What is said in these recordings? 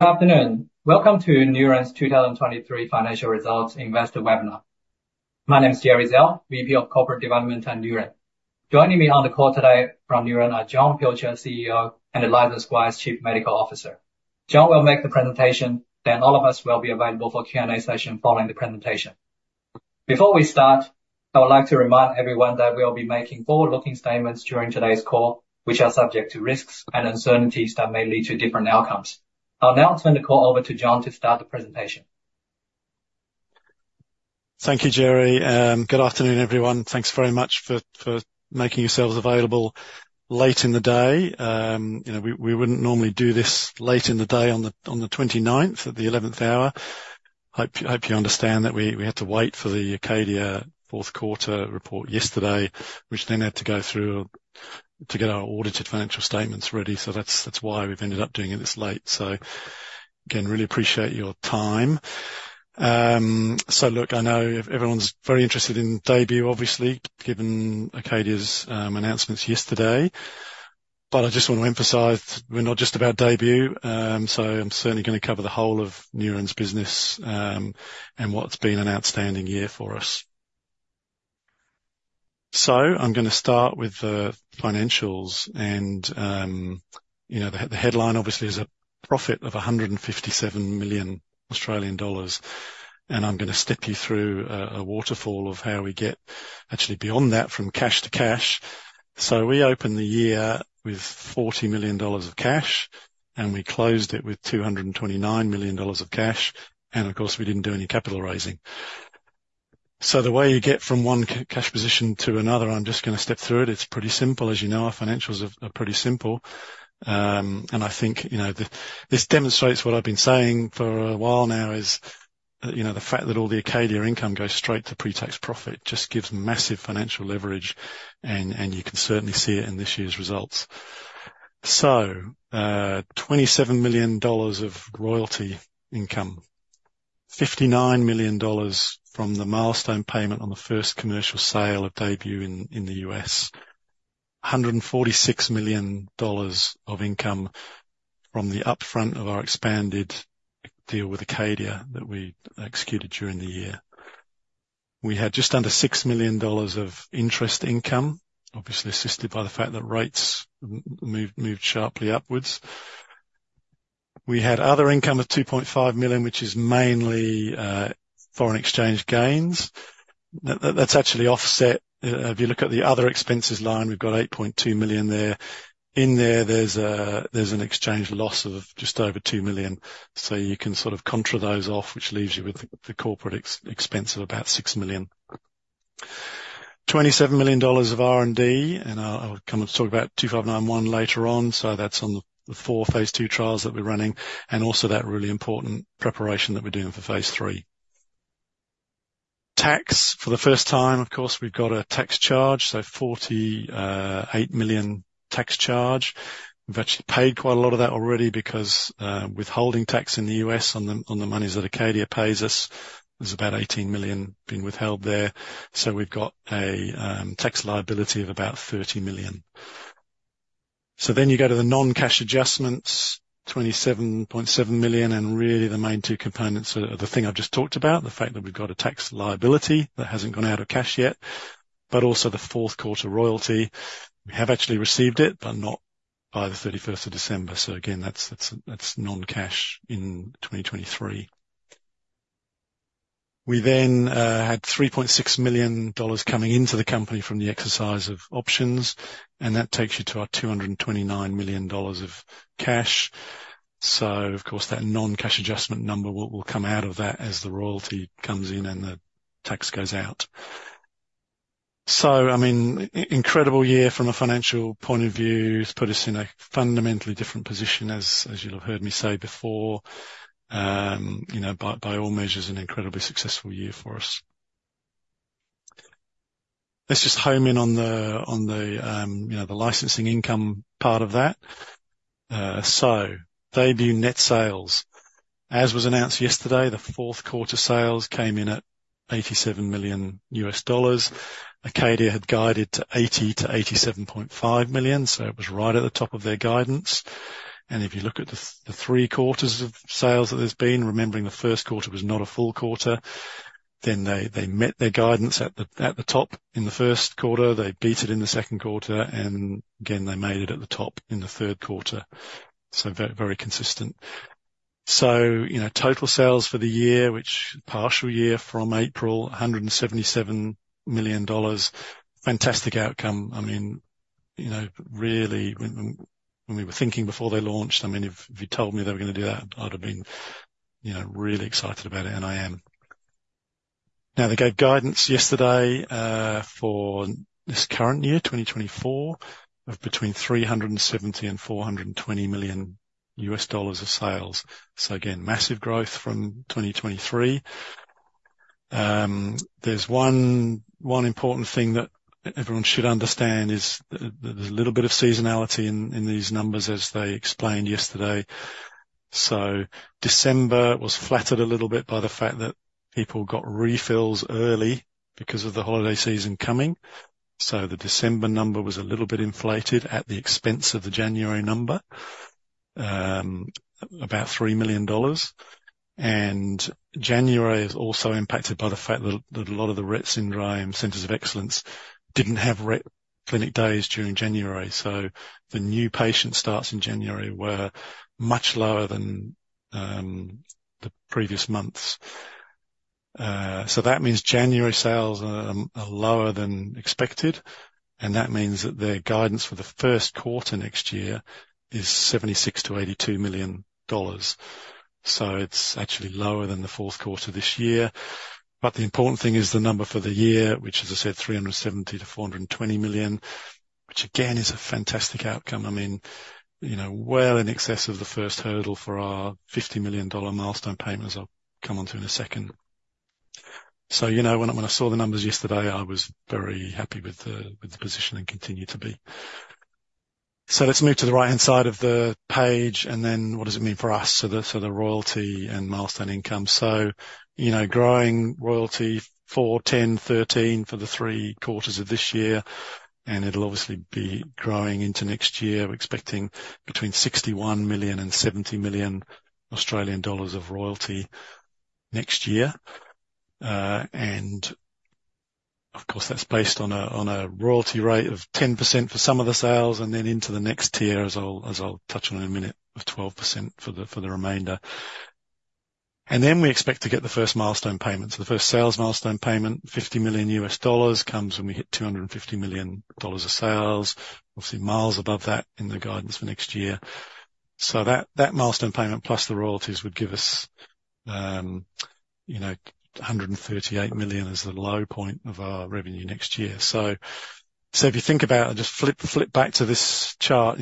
Good afternoon. Welcome to Neuren's 2023 financial results investor webinar. My name's Gerry Zhao, VP of Corporate Development at Neuren. Joining me on the call today from Neuren are Jon Pilcher, CEO, and Liza Squires, Chief Medical Officer. Jon will make the presentation, then all of us will be available for Q&A session following the presentation. Before we start, I would like to remind everyone that we'll be making forward-looking statements during today's call, which are subject to risks and uncertainties that may lead to different outcomes. I'll now turn the call over to Jon to start the presentation. Thank you, Gerry. Good afternoon, everyone. Thanks very much for making yourselves available late in the day. We wouldn't normally do this late in the day on the 29th at the 11th hour. I hope you understand that we had to wait for the Acadia fourth quarter report yesterday, which then had to go through to get our audited financial statements ready. That's why we've ended up doing it this late. Again, really appreciate your time. Look, I know everyone's very interested in DAYBUE, obviously, given Acadia's announcements yesterday. But I just want to emphasize we're not just about DAYBUE. I'm certainly going to cover the whole of Neuren's business and what's been an outstanding year for us. I'm going to start with the financials. The headline, obviously, is a profit of 157 million Australian dollars. I'm going to step you through a waterfall of how we get actually beyond that from cash to cash. We opened the year with $40 million of cash, and we closed it with $229 million of cash. Of course, we didn't do any capital raising. The way you get from one cash position to another, I'm just going to step through it. It's pretty simple. As you know, our financials are pretty simple. I think this demonstrates what I've been saying for a while now is the fact that all the Acadia income goes straight to pre-tax profit just gives massive financial leverage. You can certainly see it in this year's results. So $27 million of royalty income, $59 million from the milestone payment on the first commercial sale of DAYBUE in the US, $146 million of income from the upfront of our expanded deal with Acadia that we executed during the year. We had just under $6 million of interest income, obviously assisted by the fact that rates moved sharply upwards. We had other income of $2.5 million, which is mainly foreign exchange gains. That's actually offset. If you look at the other expenses line, we've got $8.2 million there. In there, there's an exchange loss of just over $2 million. So you can sort of contra those off, which leaves you with the corporate expense of about $6 million. $27 million of R&D. And I'll come and talk about 2591 later on. So that's on the four phase II trials that we're running. And also that really important preparation that we're doing for phase III. Tax, for the first time, of course, we've got a tax charge. So 48 million tax charge. We've actually paid quite a lot of that already because withholding tax in the U.S. on the monies that Acadia pays us, there's about 18 million being withheld there. So we've got a tax liability of about 30 million. So then you go to the non-cash adjustments, 27.7 million. And really, the main two components are the thing I've just talked about, the fact that we've got a tax liability that hasn't gone out of cash yet, but also the fourth quarter royalty. We have actually received it, but not by the 31st of December. So again, that's non-cash in 2023. We then had $3.6 million coming into the company from the exercise of options. That takes you to our $229 million of cash. So of course, that non-cash adjustment number will come out of that as the royalty comes in and the tax goes out. So I mean, incredible year from a financial point of view. It's put us in a fundamentally different position, as you'll have heard me say before. By all measures, an incredibly successful year for us. Let's just hone in on the licensing income part of that. So DAYBUE net sales. As was announced yesterday, the fourth quarter sales came in at $87 million. Acadia had guided to $80 million-$87.5 million. So it was right at the top of their guidance. And if you look at the three quarters of sales that there's been, remembering the first quarter was not a full quarter, then they met their guidance at the top in the first quarter. They beat it in the second quarter. And again, they made it at the top in the third quarter. So very consistent. So total sales for the year, which partial year from April, $177 million. Fantastic outcome. I mean, really, when we were thinking before they launched, I mean, if you'd told me they were going to do that, I'd have been really excited about it. And I am. Now, they gave guidance yesterday for this current year, 2024, of between $370 million and $420 million of sales. So again, massive growth from 2023. There's one important thing that everyone should understand is there's a little bit of seasonality in these numbers, as they explained yesterday. So December was flattered a little bit by the fact that people got refills early because of the holiday season coming. So the December number was a little bit inflated at the expense of the January number, about $3 million. January is also impacted by the fact that a lot of the Rett syndrome Centers of Excellence didn't have Rett clinic days during January. So the new patient starts in January were much lower than the previous months. So that means January sales are lower than expected. And that means that their guidance for the first quarter next year is $76 million-$82 million. So it's actually lower than the fourth quarter this year. But the important thing is the number for the year, which, as I said, $370 million-$420 million, which again is a fantastic outcome. I mean, well in excess of the first hurdle for our $50 million milestone payment, as I'll come on to in a second. So when I saw the numbers yesterday, I was very happy with the position and continue to be. So let's move to the right-hand side of the page. And then what does it mean for us? So the royalty and milestone income. So growing royalty four, 10, 13 for the three quarters of this year. And it'll obviously be growing into next year. We're expecting between 61 million and 70 million Australian dollars of royalty next year. And of course, that's based on a royalty rate of 10% for some of the sales and then into the next tier, as I'll touch on in a minute, of 12% for the remainder. And then we expect to get the first milestone payment. So the first sales milestone payment, $50 million, comes when we hit $250 million of sales, obviously miles above that in the guidance for next year. So that milestone payment plus the royalties would give us $138 million as the low point of our revenue next year. So if you think about it, just flip back to this chart.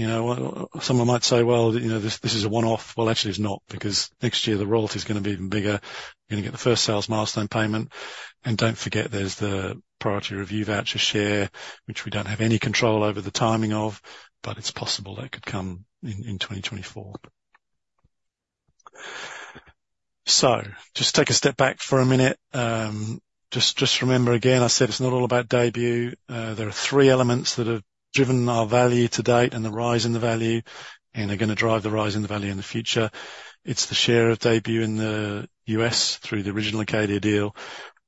Someone might say, "Well, this is a one-off." Well, actually, it's not because next year, the royalty is going to be even bigger. You're going to get the first sales milestone payment. And don't forget, there's the priority review voucher share, which we don't have any control over the timing of. But it's possible that could come in 2024. So just take a step back for a minute. Just remember, again, I said it's not all about DAYBUE. There are three elements that have driven our value to date and the rise in the value. And they're going to drive the rise in the value in the future. It's the share of DAYBUE in the U.S. through the original Acadia deal,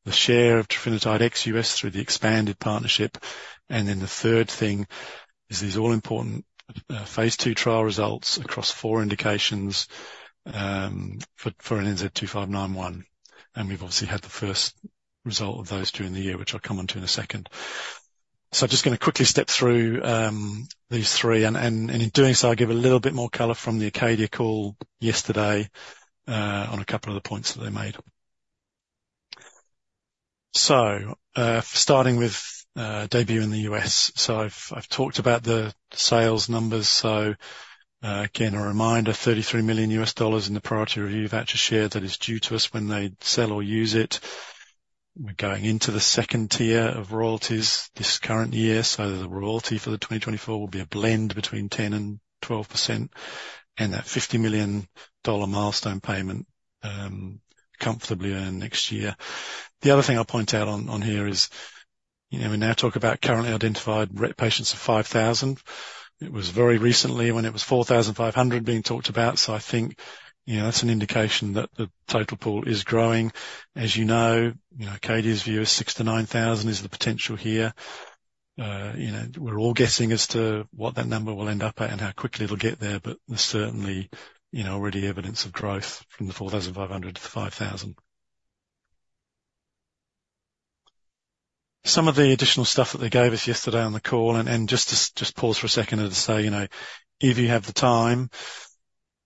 the share of trofinetide ex-U.S. through the expanded partnership. Then the third thing is these all-important phase II trial results across four indications for NNZ-2591. And we've obviously had the first result of those during the year, which I'll come on to in a second. So I'm just going to quickly step through these three. And in doing so, I'll give a little bit more color from the Acadia call yesterday on a couple of the points that they made. So starting with DAYBUE in the U.S. So I've talked about the sales numbers. So again, a reminder, $33 million in the priority review voucher share that is due to us when they sell or use it. We're going into the second tier of royalties this current year. So the royalty for the 2024 will be a blend between 10%-12%. That $50 million milestone payment comfortably earned next year. The other thing I'll point out on here is we now talk about currently identified Rett patients of 5,000. It was very recently when it was 4,500 being talked about. So I think that's an indication that the total pool is growing. As you know, Acadia's view is 6,000-9,000 is the potential here. We're all guessing as to what that number will end up at and how quickly it'll get there. But there's certainly already evidence of growth from the 4,500 to the 5,000. Some of the additional stuff that they gave us yesterday on the call. And just to pause for a second and to say, if you have the time,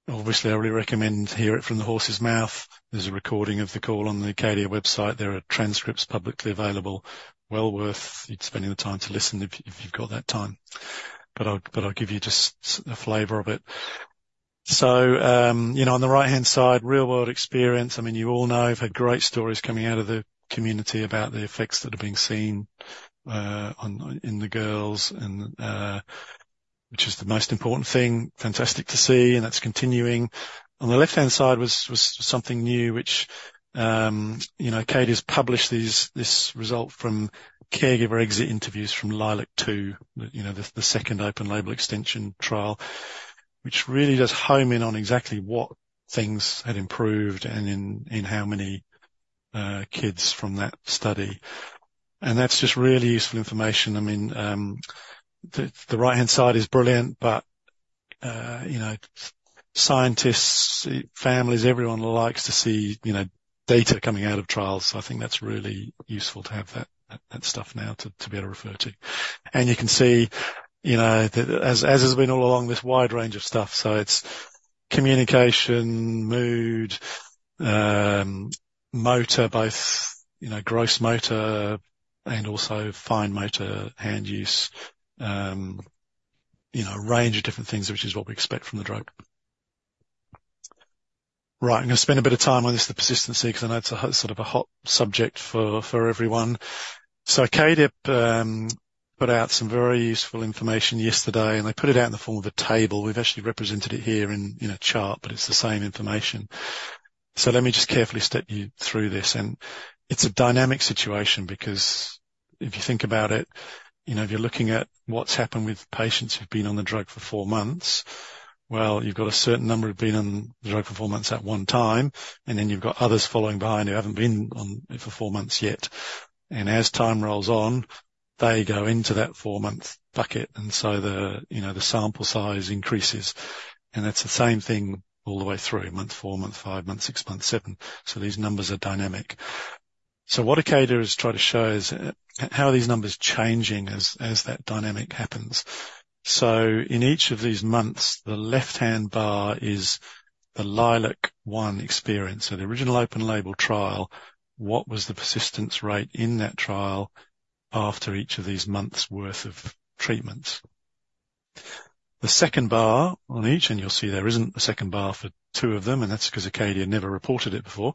obviously, I really recommend hear it from the horse's mouth. There's a recording of the call on the Acadia website. There are transcripts publicly available. Well worth spending the time to listen if you've got that time. But I'll give you just a flavor of it. So on the right-hand side, real-world experience. I mean, you all know. We've had great stories coming out of the community about the effects that are being seen in the girls, which is the most important thing. Fantastic to see. And that's continuing. On the left-hand side was something new, which Acadia's published this result from caregiver exit interviews from LILAC two, the second open-label extension trial, which really does hone in on exactly what things had improved and in how many kids from that study. And that's just really useful information. I mean, the right-hand side is brilliant. But scientists, families, everyone likes to see data coming out of trials. So I think that's really useful to have that stuff now to be able to refer to. And you can see that, as has been all along, this wide range of stuff. So it's communication, mood, motor, both gross motor and also fine motor hand use, a range of different things, which is what we expect from the drug. Right. I'm going to spend a bit of time on this, the persistency, because I know it's sort of a hot subject for everyone. So Acadia put out some very useful information yesterday. And they put it out in the form of a table. We've actually represented it here in a chart. But it's the same information. So let me just carefully step you through this. It's a dynamic situation because if you think about it, if you're looking at what's happened with patients who've been on the drug for four months, well, you've got a certain number who've been on the drug for four months at one time. Then you've got others following behind who haven't been on it for four months yet. And as time rolls on, they go into that four-month bucket. And so the sample size increases. And that's the same thing all the way through, month four, month five, month six, month seven. So these numbers are dynamic. So what Acadia is trying to show is how are these numbers changing as that dynamic happens? So in each of these months, the left-hand bar is the LILAC one experience. So the original open-label trial, what was the persistence rate in that trial after each of these months' worth of treatments? The second bar on each, and you'll see there isn't a second bar for two of them. That's because Acadia never reported it before,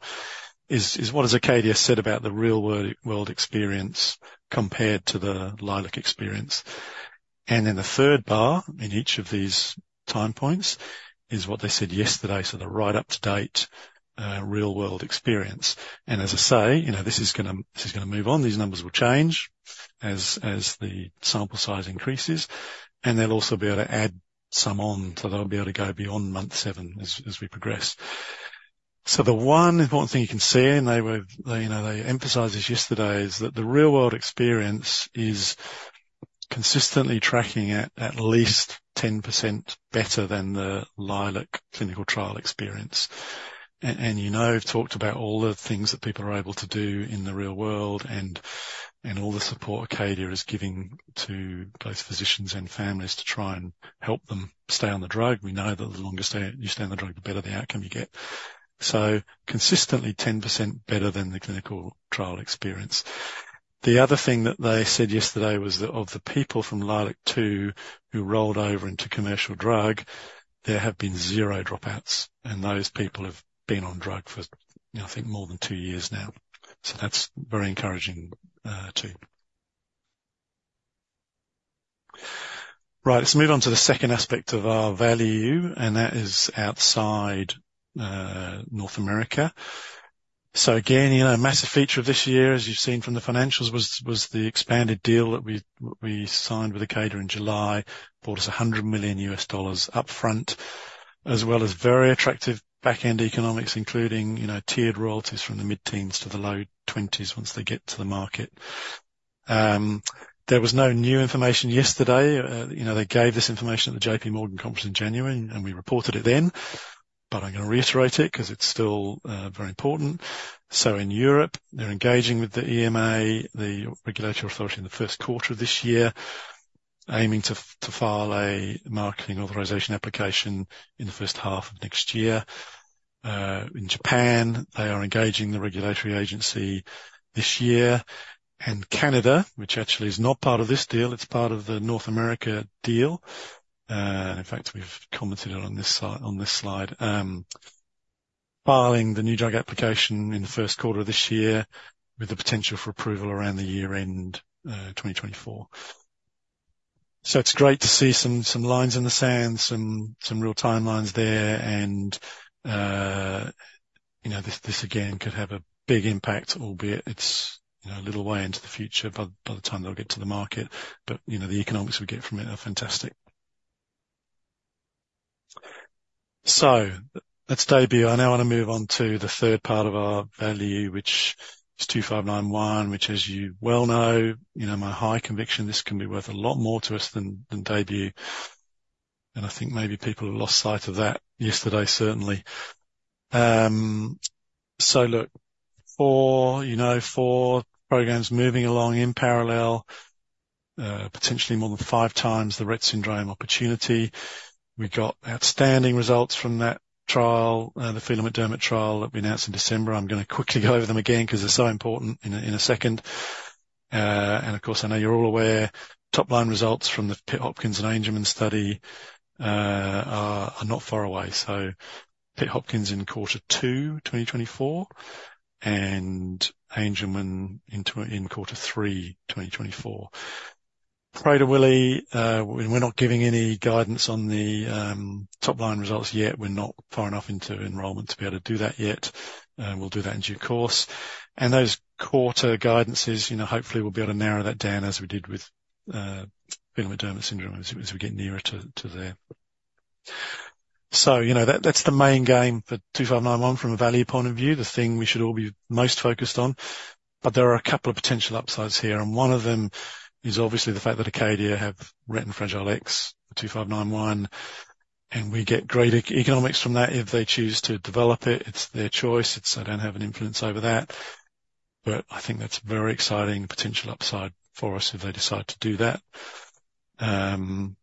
is what has Acadia said about the real-world experience compared to the LILAC experience? Then the third bar in each of these time points is what they said yesterday. So the right up-to-date real-world experience. And as I say, this is going to move on. These numbers will change as the sample size increases. They'll also be able to add some on. So they'll be able to go beyond month seven as we progress. So the one important thing you can see, and they emphasized this yesterday, is that the real-world experience is consistently tracking at least 10% better than the LILAC clinical trial experience. And you've talked about all the things that people are able to do in the real world and all the support Acadia is giving to both physicians and families to try and help them stay on the drug. We know that the longer you stay on the drug, the better the outcome you get. So consistently 10% better than the clinical trial experience. The other thing that they said yesterday was that of the people from LILAC two who rolled over into commercial drug, there have been zero dropouts. And those people have been on drug for, I think, more than two years now. So that's very encouraging too. Right. Let's move on to the second aspect of our value. That is outside North America. So again, a massive feature of this year, as you've seen from the financials, was the expanded deal that we signed with Acadia in July, brought us $100 million upfront, as well as very attractive back-end economics, including tiered royalties from the mid-teens to the low 20s once they get to the market. There was no new information yesterday. They gave this information at the JPMorgan conference in January. And we reported it then. But I'm going to reiterate it because it's still very important. So in Europe, they're engaging with the EMA, the regulatory authority, in the first quarter of this year, aiming to file a marketing authorization application in the first half of next year. In Japan, they are engaging the regulatory agency this year. Canada, which actually is not part of this deal, it's part of the North America deal. In fact, we've commented on this slide, filing the new drug application in the first quarter of this year with the potential for approval around the year-end 2024. So it's great to see some lines in the sand, some real timelines there. And this, again, could have a big impact, albeit it's a little way into the future by the time they'll get to the market. But the economics we get from it are fantastic. So that's DAYBUE. I now want to move on to the third part of our value, which is 2591, which, as you well know, my high conviction, this can be worth a lot more to us than DAYBUE. And I think maybe people lost sight of that yesterday, certainly. So look, four programs moving along in parallel, potentially more than five times the Rett syndrome opportunity. We got outstanding results from that trial, the Phelan-McDermid trial that we announced in December. I'm going to quickly go over them again because they're so important in a second. And of course, I know you're all aware, top-line results from the Pitt-Hopkins and Angelman study are not far away. So Pitt-Hopkins in quarter two 2024 and Angelman in quarter three 2024. Prader-Willi, we're not giving any guidance on the top-line results yet. We're not far enough into enrollment to be able to do that yet. We'll do that in due course. And those quarter guidances, hopefully, we'll be able to narrow that down as we did with Phelan-McDermid syndrome as we get nearer to there. So that's the main game for 2591 from a value point of view, the thing we should all be most focused on. But there are a couple of potential upsides here. And one of them is obviously the fact that Acadia have Rett and Fragile X, the 2591. And we get great economics from that if they choose to develop it. It's their choice. I don't have an influence over that. But I think that's a very exciting potential upside for us if they decide to do that. And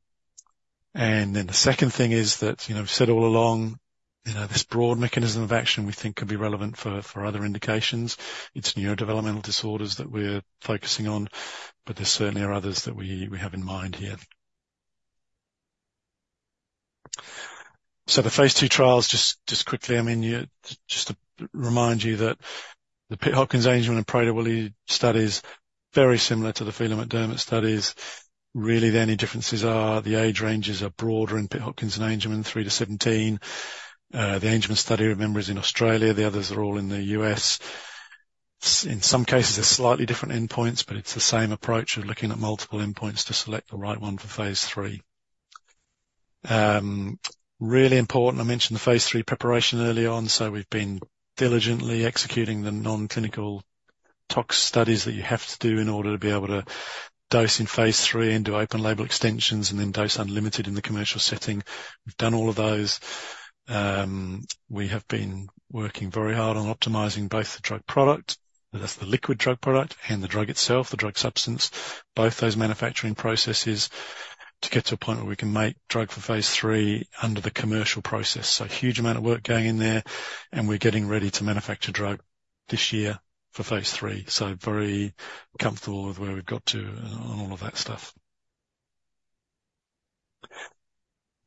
then the second thing is that we've said all along, this broad mechanism of action we think could be relevant for other indications. It's neurodevelopmental disorders that we're focusing on. But there certainly are others that we have in mind here. So the phase II trials, just quickly, I mean, just to remind you that the Pitt Hopkins, Angelman, and Prader-Willi study is very similar to the Phelan-McDermid studies. Really, the only differences are the age ranges are broader in Pitt Hopkins and Angelman, three-17. The Angelman study, remember, is in Australia. The others are all in the U.S. In some cases, there's slightly different endpoints. But it's the same approach of looking at multiple endpoints to select the right one for phase III. Really important, I mentioned the phase III preparation early on. So we've been diligently executing the non-clinical tox studies that you have to do in order to be able to dose in phase III and do open label extensions and then dose unlimited in the commercial setting. We've done all of those. We have been working very hard on optimizing both the drug product, that's the liquid drug product, and the drug itself, the drug substance, both those manufacturing processes to get to a point where we can make drug for phase III under the commercial process. So huge amount of work going in there. And we're getting ready to manufacture drug this year for phase III. So very comfortable with where we've got to on all of that stuff.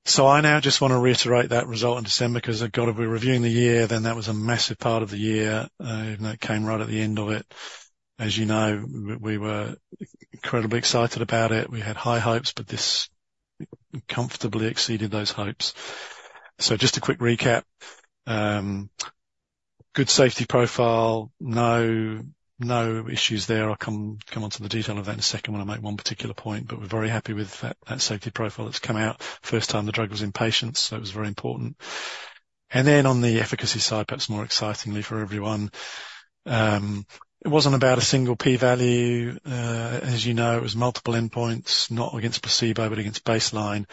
So I now just want to reiterate that result in December because, God, if we're reviewing the year, then that was a massive part of the year. That came right at the end of it. As you know, we were incredibly excited about it. We had high hopes. But this comfortably exceeded those hopes. So just a quick recap, good safety profile, no issues there. I'll come onto the detail of that in a second when I make one particular point. But we're very happy with that safety profile. It's come out first time the drug was in patients. So it was very important. And then on the efficacy side, perhaps more excitingly for everyone, it wasn't about a single p-value. As you know, it was multiple endpoints, not against placebo, but against baseline.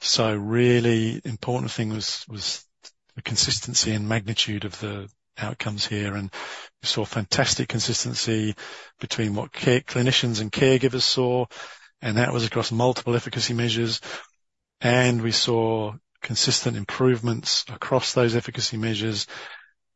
So really important thing was the consistency and magnitude of the outcomes here. And we saw fantastic consistency between what clinicians and caregivers saw. And that was across multiple efficacy measures. And we saw consistent improvements across those efficacy measures.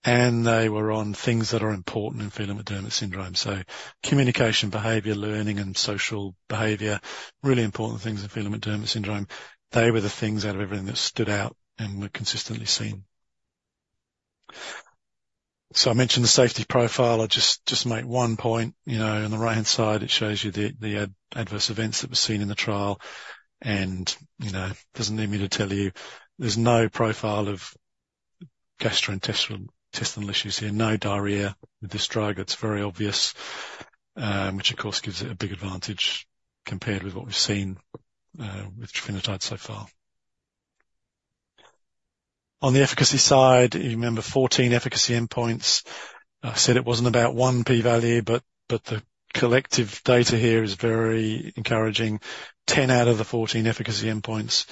And they were on things that are important in Phelan-McDermid syndrome. So communication, behavior, learning, and social behavior, really important things in Phelan-McDermid syndrome, they were the things out of everything that stood out and were consistently seen. So I mentioned the safety profile. I'll just make one point. On the right-hand side, it shows you the adverse events that were seen in the trial. And it doesn't need me to tell you, there's no profile of gastrointestinal issues here, no diarrhea with this drug. It's very obvious, which, of course, gives it a big advantage compared with what we've seen with trofinetides so far. On the efficacy side, you remember, 14 efficacy endpoints. I said it wasn't about one p-value. But the collective data here is very encouraging. 10 out of the 14 efficacy endpoints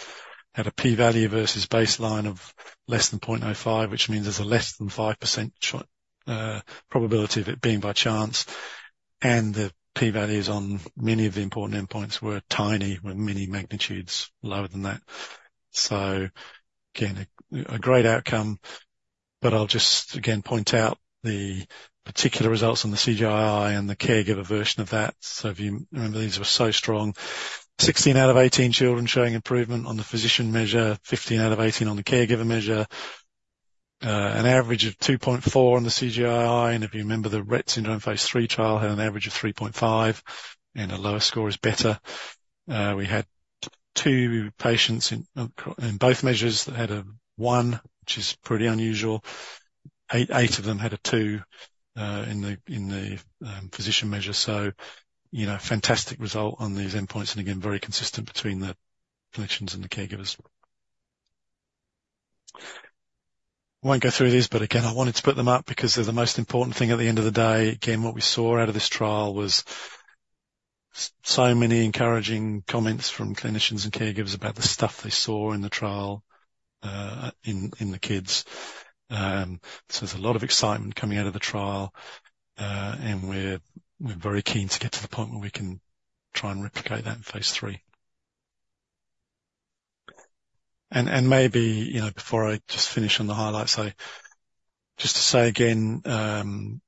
had a p-value versus baseline of less than 0.05, which means there's a less than 5% probability of it being by chance. And the p-values on many of the important endpoints were tiny, were many magnitudes lower than that. So again, a great outcome. I'll just, again, point out the particular results on the CGI-I and the caregiver version of that. So if you remember, these were so strong, 16 out of 18 children showing improvement on the physician measure, 15 out of 18 on the caregiver measure, an average of 2.4 on the CGI-I. If you remember, the Rett syndrome phase III trial had an average of 3.5. A lower score is better. We had two patients in both measures that had a one, which is pretty unusual. Eight of them had a two in the physician measure. So fantastic result on these endpoints. Again, very consistent between the clinicians and the caregivers. I won't go through these. Again, I wanted to put them up because they're the most important thing at the end of the day. Again, what we saw out of this trial was so many encouraging comments from clinicians and caregivers about the stuff they saw in the trial in the kids. So there's a lot of excitement coming out of the trial. And we're very keen to get to the point where we can try and replicate that in phase III. And maybe before I just finish on the highlights, just to say again,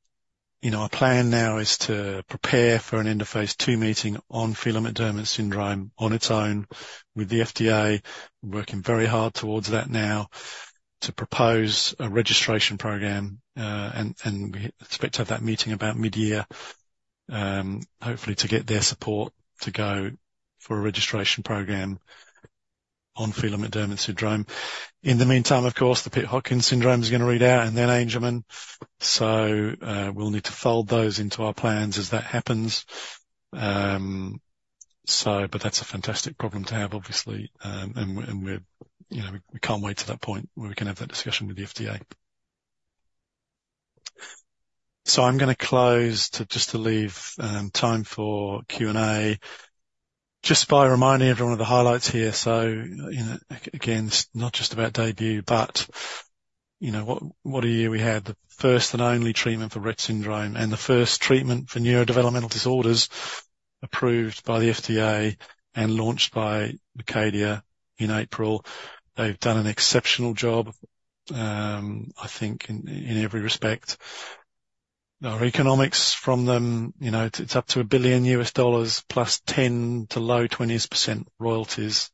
our plan now is to prepare for an end-of-phase II meeting on Phelan-McDermid syndrome on its own with the FDA. We're working very hard towards that now to propose a registration program. And we expect to have that meeting about mid-year, hopefully, to get their support to go for a registration program on Phelan-McDermid syndrome. In the meantime, of course, the Pitt-Hopkins syndrome is going to read out and then Angelman. So we'll need to fold those into our plans as that happens. But that's a fantastic problem to have, obviously. And we can't wait to that point where we can have that discussion with the FDA. So I'm going to close just to leave time for Q&A just by reminding everyone of the highlights here. So again, it's not just about DAYBUE. But what a year we had, the first and only treatment for Rett syndrome and the first treatment for neurodevelopmental disorders approved by the FDA and launched by Acadia in April. They've done an exceptional job, I think, in every respect. Our economics from them, it's up to $1 billion plus 10%-low 20s% royalties.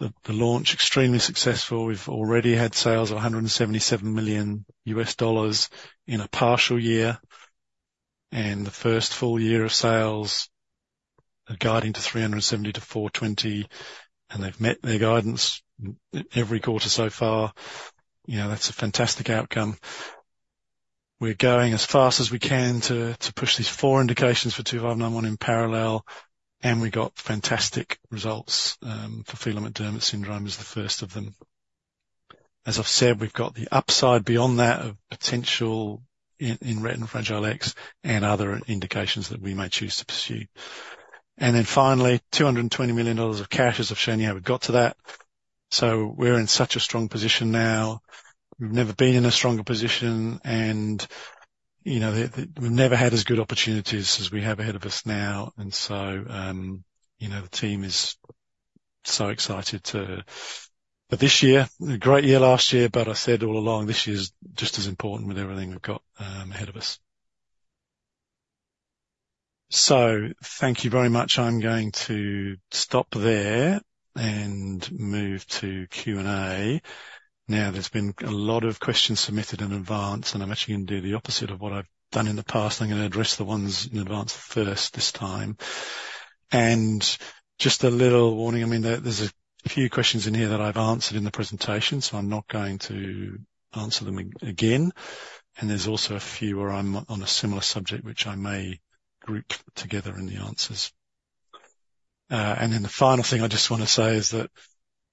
The launch is extremely successful. We've already had sales of $177 million in a partial year. The first full year of sales, they're guiding to $370 million-$420 million. They've met their guidance every quarter so far. That's a fantastic outcome. We're going as fast as we can to push these four indications for 2591 in parallel. We got fantastic results for Phelan-McDermid syndrome as the first of them. As I've said, we've got the upside beyond that of potential in Rett syndrome and Fragile X syndrome and other indications that we may choose to pursue. Then finally, $220 million of cash, as I've shown you how we've got to that. We're in such a strong position now. We've never been in a stronger position. We've never had as good opportunities as we have ahead of us now. The team is so excited to but this year, a great year last year. But I said all along, this year is just as important with everything we've got ahead of us. So thank you very much. I'm going to stop there and move to Q&A. Now, there's been a lot of questions submitted in advance. And I'm actually going to do the opposite of what I've done in the past. I'm going to address the ones in advance first this time. And just a little warning, I mean, there's a few questions in here that I've answered in the presentation. So I'm not going to answer them again. And there's also a few where I'm on a similar subject, which I may group together in the answers. And then the final thing I just want to say is that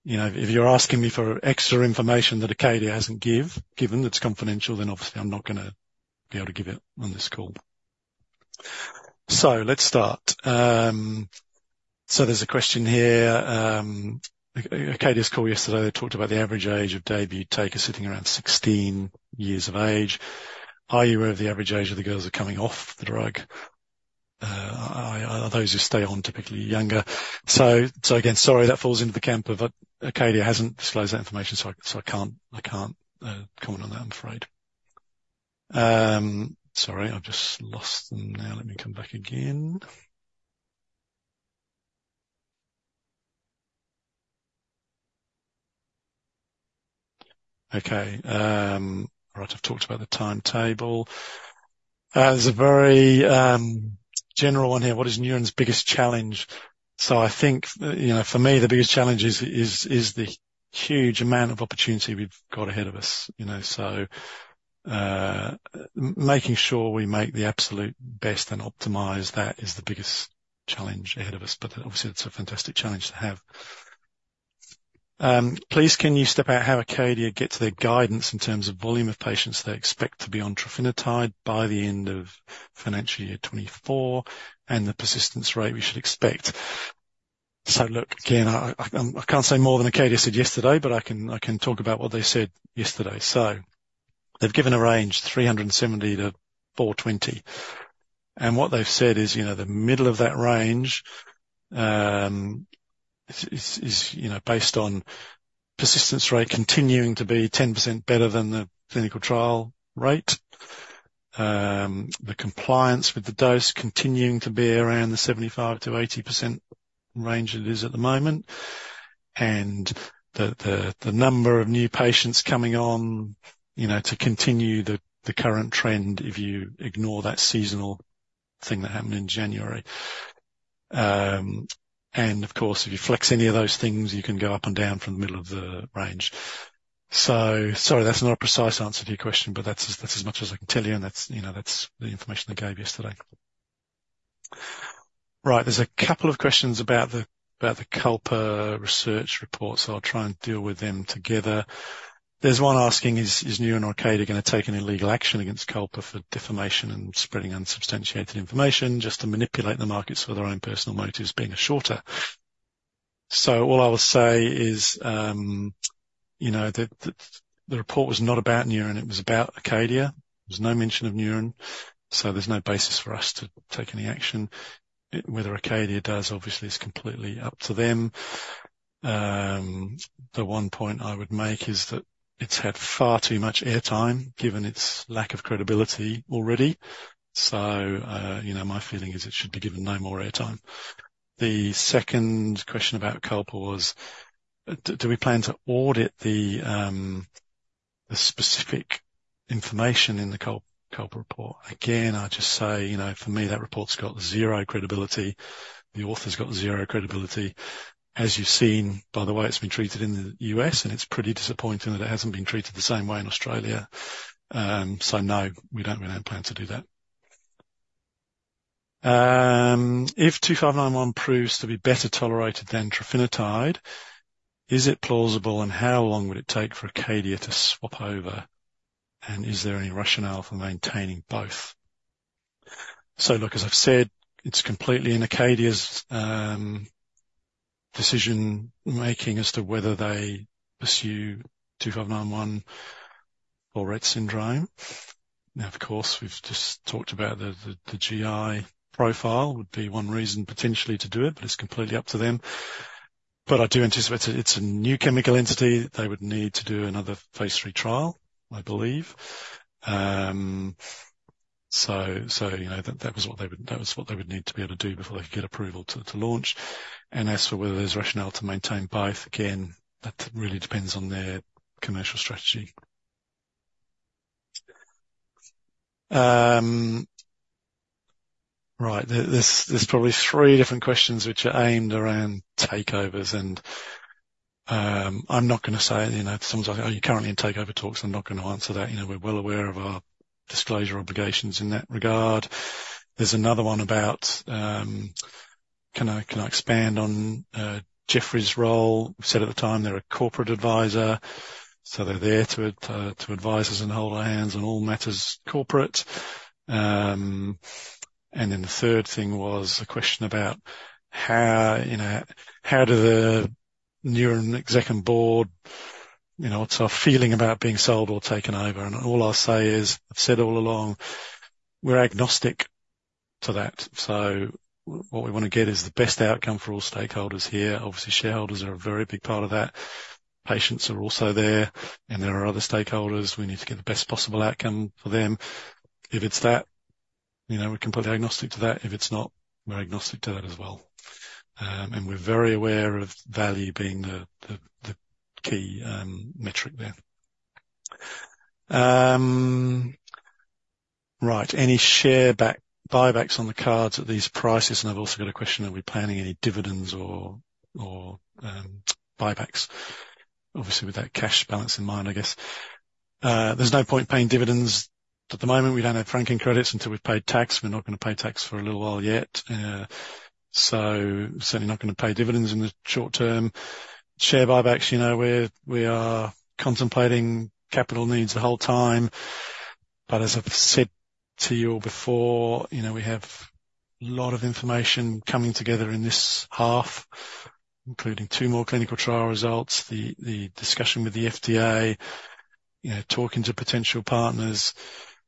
if you're asking me for extra information that Acadia hasn't given, that's confidential. Then obviously, I'm not going to be able to give it on this call. So let's start. So there's a question here. Acadia's call yesterday, they talked about the average age of DAYBUE taker sitting around 16 years of age. Are you aware of the average age of the girls who are coming off the drug? Are those who stay on typically younger? So again, sorry, that falls into the camp of Acadia hasn't disclosed that information. So I can't comment on that, I'm afraid. Sorry, I've just lost them now. Let me come back again. Okay. All right. I've talked about the timetable. There's a very general one here. What is Neuren's biggest challenge? So I think for me, the biggest challenge is the huge amount of opportunity we've got ahead of us. So making sure we make the absolute best and optimize that is the biggest challenge ahead of us. But obviously, it's a fantastic challenge to have. Please, can you step out how Acadia gets their guidance in terms of volume of patients they expect to be on trofinetide by the end of financial year 2024 and the persistence rate we should expect? So look, again, I can't say more than Acadia said yesterday. But I can talk about what they said yesterday. So they've given a range, 370-420. What they've said is the middle of that range is based on persistence rate continuing to be 10% better than the clinical trial rate, the compliance with the dose continuing to be around the 75%-80% range it is at the moment, and the number of new patients coming on to continue the current trend if you ignore that seasonal thing that happened in January. And of course, if you flex any of those things, you can go up and down from the middle of the range. So sorry, that's not a precise answer to your question. But that's as much as I can tell you. And that's the information they gave yesterday. Right. There's a couple of questions about the Culper research report. So I'll try and deal with them together. There's one asking, is Neuren or Acadia going to take any legal action against Culper for defamation and spreading unsubstantiated information just to manipulate the markets for their own personal motives being a shorter? So all I will say is that the report was not about Neuren. It was about Acadia. There's no mention of Neuren. So there's no basis for us to take any action. Whether Acadia does, obviously, is completely up to them. The one point I would make is that it's had far too much airtime given its lack of credibility already. So my feeling is it should be given no more airtime. The second question about Culper was, do we plan to audit the specific information in the Culper report? Again, I'll just say, for me, that report's got zero credibility. The author's got zero credibility. As you've seen, by the way, it's been treated in the U.S. It's pretty disappointing that it hasn't been treated the same way in Australia. No, we don't plan to do that. If NNZ-2591 proves to be better tolerated than trofinetide, is it plausible? And how long would it take for Acadia to swap over? And is there any rationale for maintaining both? Look, as I've said, it's completely in Acadia's decision-making as to whether they pursue NNZ-2591 or Rett syndrome. Now, of course, we've just talked about the GI profile would be one reason potentially to do it. But it's completely up to them. But I do anticipate it's a new chemical entity. They would need to do another phase III trial, I believe. So that was what they would need to be able to do before they could get approval to launch. And as for whether there's rationale to maintain both, again, that really depends on their commercial strategy. Right. There's probably three different questions which are aimed around takeovers. And I'm not going to say someone's like, "Are you currently in takeover talks?" I'm not going to answer that. We're well aware of our disclosure obligations in that regard. There's another one about, can I expand on Jefferies' role? We said at the time they're a corporate advisor. So they're there to advise us and hold our hands on all matters corporate. And then the third thing was a question about how do the Neuren exec and board, what's our feeling about being sold or taken over? All I'll say is, I've said all along, we're agnostic to that. So what we want to get is the best outcome for all stakeholders here. Obviously, shareholders are a very big part of that. Patients are also there. And there are other stakeholders. We need to get the best possible outcome for them. If it's that, we're agnostic to that. If it's not, we're agnostic to that as well. And we're very aware of value being the key metric there. Right. Any share buybacks on the cards at these prices? And I've also got a question, are we planning any dividends or buybacks, obviously, with that cash balance in mind, I guess? There's no point paying dividends at the moment. We don't have franking credits until we've paid tax. We're not going to pay tax for a little while yet. So certainly not going to pay dividends in the short term. Share buybacks, we are contemplating capital needs the whole time. But as I've said to you all before, we have a lot of information coming together in this half, including two more clinical trial results, the discussion with the FDA, talking to potential partners.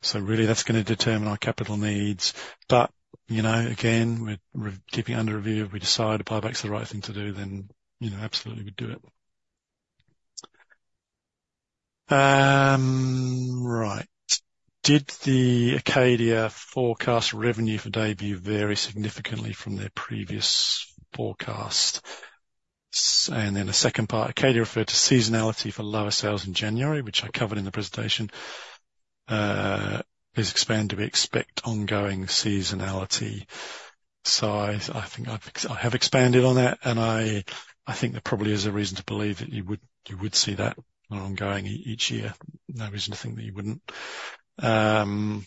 So really, that's going to determine our capital needs. But again, we're keeping under review. If we decide a buyback's the right thing to do, then absolutely we'd do it. Right. Did the Acadia forecast revenue for DAYBUE vary significantly from their previous forecast? And then the second part, Acadia referred to seasonality for lower sales in January, which I covered in the presentation. And expand, do we expect ongoing seasonality? So I think I have expanded on that. I think there probably is a reason to believe that you would see that ongoing each year. No reason to think that you wouldn't. So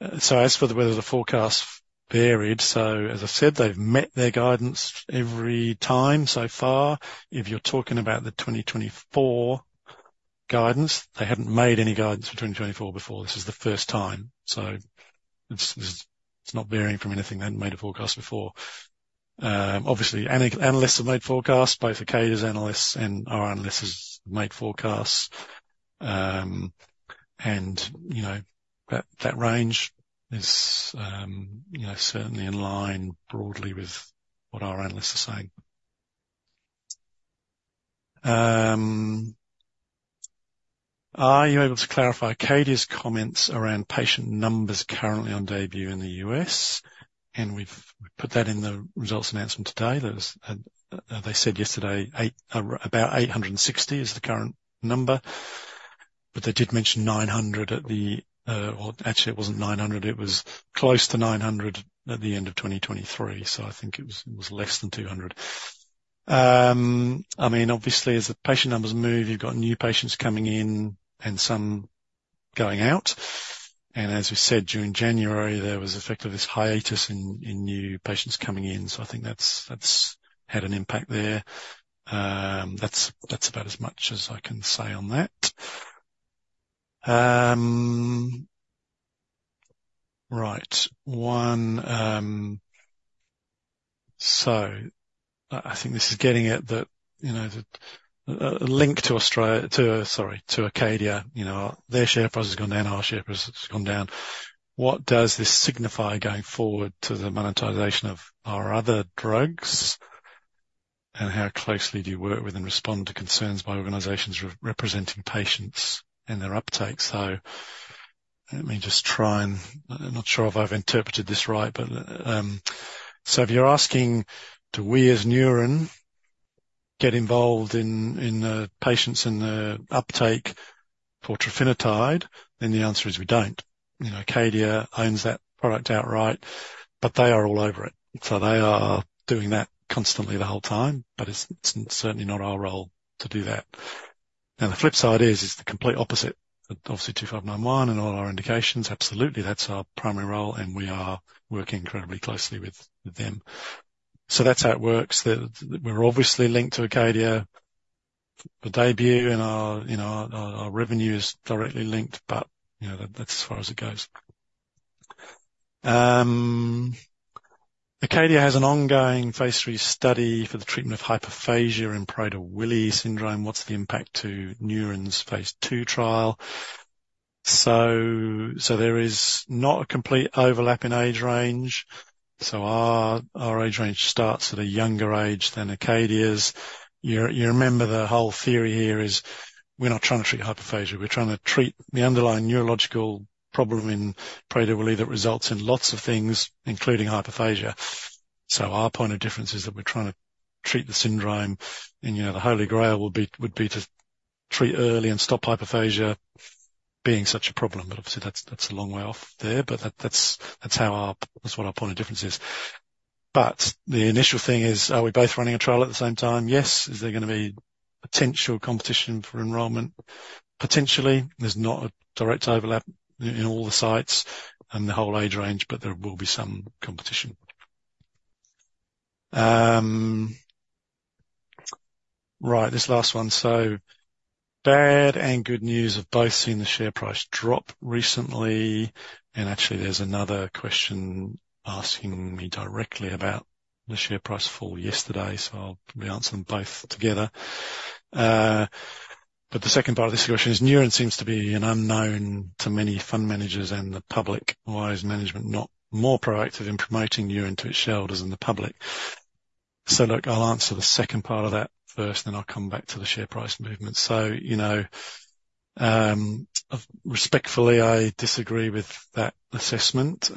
as for whether the forecast varied, so as I've said, they've met their guidance every time so far. If you're talking about the 2024 guidance, they hadn't made any guidance for 2024 before. This is the first time. So it's not varying from anything they hadn't made a forecast before. Obviously, analysts have made forecasts. Both Acadia's analysts and our analysts have made forecasts. And that range is certainly in line broadly with what our analysts are saying. Are you able to clarify Acadia's comments around patient numbers currently on DAYBUEin the U.S.? And we've put that in the results announcement today. They said yesterday, about 860 is the current number. But they did mention 900 at the call, actually, it wasn't 900. It was close to 900 at the end of 2023. So I think it was less than 200. I mean, obviously, as the patient numbers move, you've got new patients coming in and some going out. And as we said during January, there was effectively this hiatus in new patients coming in. So I think that's had an impact there. That's about as much as I can say on that. Right. One. So I think this is getting at that, a link to Australia, sorry, to Acadia. Their share price has gone down. Our share price has gone down. What does this signify going forward to the monetization of our other drugs? And how closely do you work with and respond to concerns by organizations representing patients and their uptake? So let me just try and I'm not sure if I've interpreted this right. But so if you're asking, do we as Neuren get involved in the patients and the uptake for trofinetide, then the answer is we don't. Acadia owns that product outright. But they are all over it. So they are doing that constantly the whole time. But it's certainly not our role to do that. Now, the flip side is the complete opposite. Obviously, 2591 and all our indications, absolutely, that's our primary role. And we are working incredibly closely with them. So that's how it works. We're obviously linked to Acadia for DAYBUE. And our revenue is directly linked. But that's as far as it goes. Acadia has an ongoing phase III study for the treatment of hyperphagia in Prader-Willi syndrome. What's the impact to Neuren's phase II trial? So there is not a complete overlap in age range. So our age range starts at a younger age than Acadia's. You remember the whole theory here is we're not trying to treat hyperphagia. We're trying to treat the underlying neurological problem in Prader-Willi that results in lots of things, including hyperphagia. So our point of difference is that we're trying to treat the syndrome. And the Holy Grail would be to treat early and stop hyperphagia being such a problem. But obviously, that's a long way off there. But that's what our point of difference is. But the initial thing is, are we both running a trial at the same time? Yes. Is there going to be potential competition for enrollment? Potentially. There's not a direct overlap in all the sites and the whole age range. But there will be some competition. Right. This last one. So, bad and good news of both seeing the share price drop recently. Actually, there's another question asking me directly about the share price fall yesterday. So I'll be answering both together. But the second part of this question is, Neuren seems to be an unknown to many fund managers and the public. Wise management, not more proactive in promoting Neuren to its shareholders and the public. So look, I'll answer the second part of that first. Then I'll come back to the share price movement. So respectfully, I disagree with that assessment.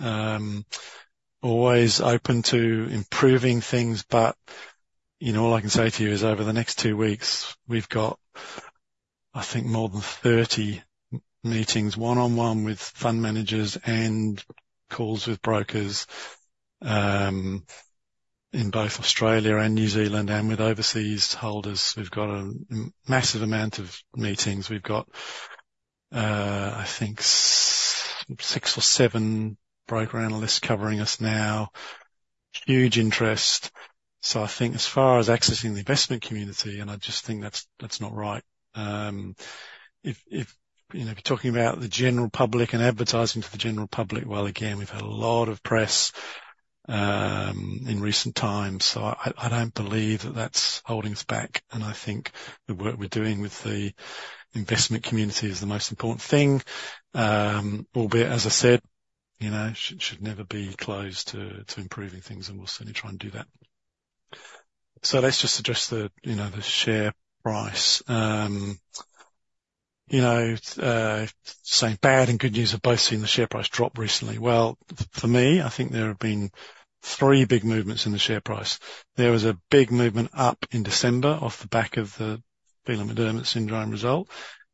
Always open to improving things. But all I can say to you is, over the next two weeks, we've got, I think, more than 30 meetings, one-on-one with fund managers and calls with brokers in both Australia and New Zealand and with overseas holders. We've got a massive amount of meetings. We've got, I think, six or seven broker analysts covering us now. Huge interest. So I think as far as accessing the investment community and I just think that's not right. If you're talking about the general public and advertising to the general public, well, again, we've had a lot of press in recent times. So I don't believe that that's holding us back. And I think the work we're doing with the investment community is the most important thing. Albeit, as I said, it should never be closed to improving things. And we'll certainly try and do that. So let's just address the share price. Saying bad and good news of both seeing the share price drop recently. Well, for me, I think there have been three big movements in the share price. There was a big movement up in December off the back of the Phelan-McDermid syndrome result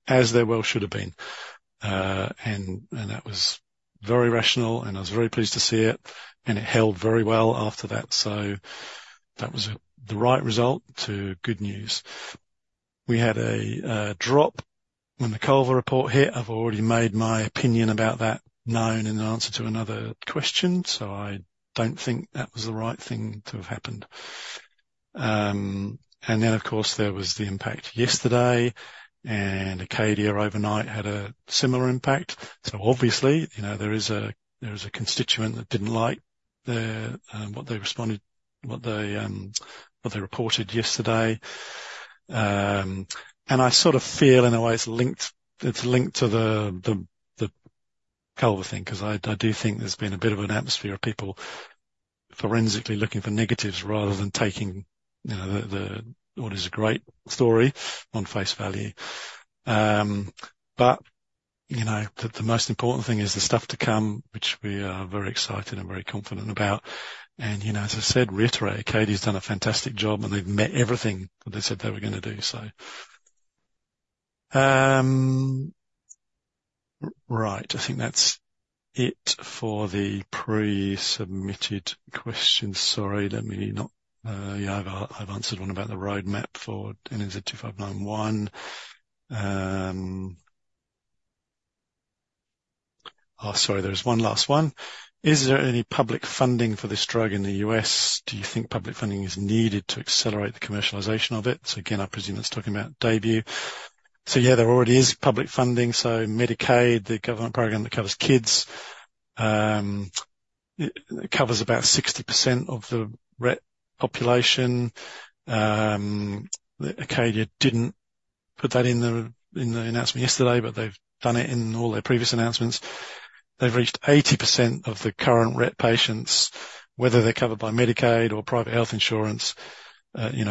as there well should have been. And that was very rational. And I was very pleased to see it. And it held very well after that. So that was the right result to good news. We had a drop when the Culper report hit. I've already made my opinion about that known in answer to another question. So I don't think that was the right thing to have happened. And then, of course, there was the impact yesterday. And Acadia overnight had a similar impact. So obviously, there is a constituent that didn't like what they responded, what they reported yesterday. And I sort of feel, in a way, it's linked to the Culper thing because I do think there's been a bit of an atmosphere of people forensically looking for negatives rather than taking the, "Oh, it is a great story," on face value. But the most important thing is the stuff to come, which we are very excited and very confident about. And as I said, reiterate, Acadia's done a fantastic job. And they've met everything that they said they were going to do, so. Right. I think that's it for the pre-submitted questions. Sorry. Let me not yeah, I've answered one about the roadmap for NNZ-2591. Oh, sorry. There's one last one. Is there any public funding for this drug in the US? Do you think public funding is needed to accelerate the commercialization of it? So again, I presume that's talking about DAYBUE. So yeah, there already is public funding. So Medicaid, the government program that covers kids, covers about 60% of the Rett population. Acadia didn't put that in the announcement yesterday. But they've done it in all their previous announcements. They've reached 80% of the current Rett patients, whether they're covered by Medicaid or private health insurance,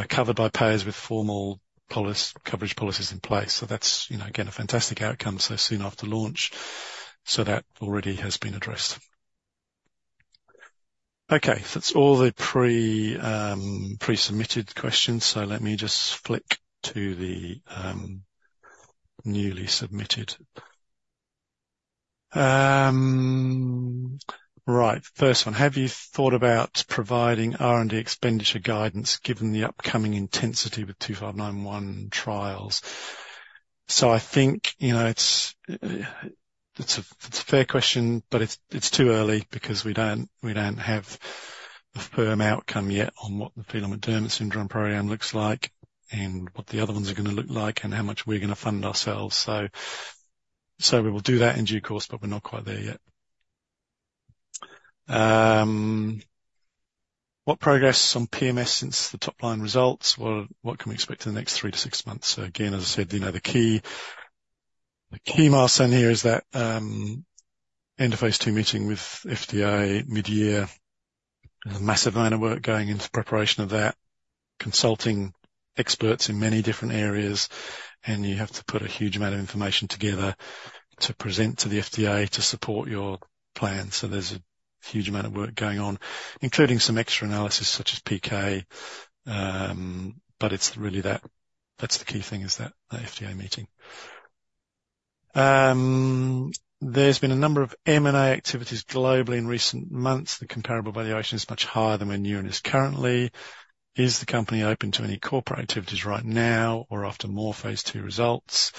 covered by payers with formal coverage policies in place. So that's, again, a fantastic outcome so soon after launch. So that already has been addressed. Okay. That's all the pre-submitted questions. So let me just flick to the newly submitted. Right. First one. Have you thought about providing R&D expenditure guidance given the upcoming intensity with 2591 trials? So I think it's a fair question. But it's too early because we don't have a firm outcome yet on what the Phelan-McDermid syndrome program looks like and what the other ones are going to look like and how much we're going to fund ourselves. So we will do that in due course. But we're not quite there yet. What progress on PMS since the top-line results? What can we expect in the next three to six months? So again, as I said, the key milestone here is that end-of-phase II meeting with FDA mid-year. There's a massive amount of work going into preparation of that, consulting experts in many different areas. And you have to put a huge amount of information together to present to the FDA to support your plan. So there's a huge amount of work going on, including some extra analysis such as PK. But it's really that's the key thing: the FDA meeting. There's been a number of M&A activities globally in recent months. The comparable valuation is much higher than where Neuren is currently. Is the company open to any corporate activities right now or after more phase II results?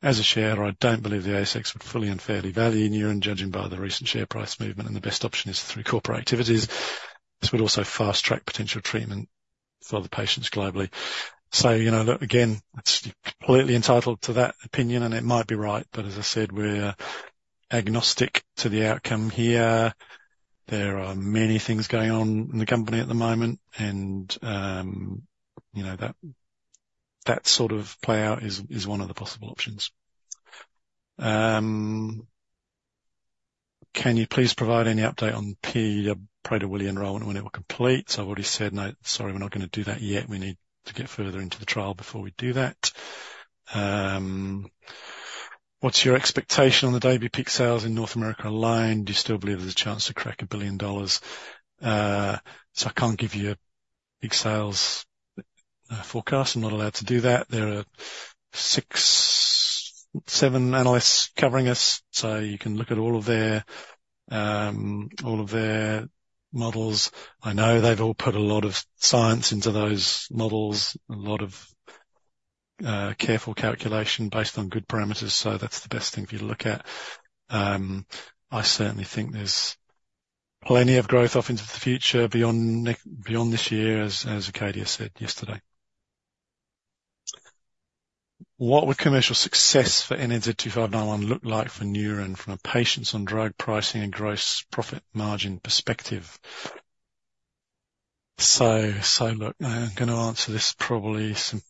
As a shareholder, I don't believe the ASX would fully and fairly value Neuren, judging by the recent share price movement. The best option is through corporate activities. This would also fast-track potential treatment for the patients globally. So look, again, you're completely entitled to that opinion. And it might be right. But as I said, we're agnostic to the outcome here. There are many things going on in the company at the moment. And that sort of playout is one of the possible options. Can you please provide any update on Prader-Willi enrollment, when it will complete? I've already said, no, sorry, we're not going to do that yet. We need to get further into the trial before we do that. What's your expectation on the DAYBUE peak sales in North America alone? Do you still believe there's a chance to crack $1 billion? I can't give you a peak sales forecast. I'm not allowed to do that. There are six, seven analysts covering us. You can look at all of their models. I know they've all put a lot of science into those models, a lot of careful calculation based on good parameters. That's the best thing for you to look at. I certainly think there's plenty of growth off into the future beyond this year, as Acadia said yesterday. What would commercial success for NNZ-2591 look like for Neuren from a patients-on-drug pricing and gross profit margin perspective? So look, I'm going to answer this probably simplistically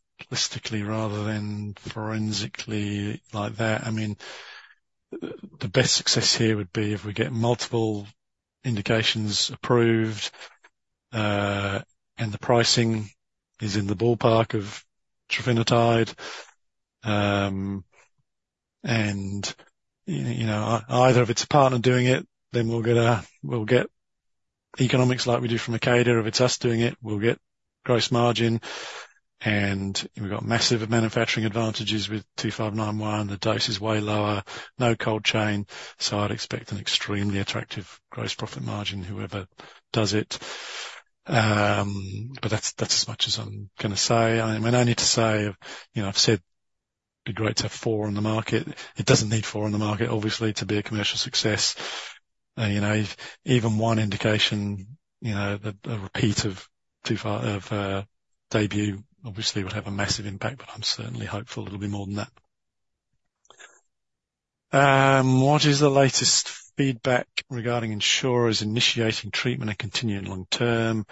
rather than forensically like that. I mean, the best success here would be if we get multiple indications approved and the pricing is in the ballpark of trofinetide. And either it's a partner doing it, then we'll get economics like we do from Acadia. If it's us doing it, we'll get gross margin. And we've got massive manufacturing advantages with 2591. The dose is way lower. No cold chain. So I'd expect an extremely attractive gross profit margin, whoever does it. But that's as much as I'm going to say. I mean, I need to say I've said it'd be great to have four on the market. It doesn't need four on the market, obviously, to be a commercial success. Even one indication, a repeat of DAYBUE, obviously, would have a massive impact. But I'm certainly hopeful it'll be more than that. What is the latest feedback regarding insurers initiating treatment and continuing long-term?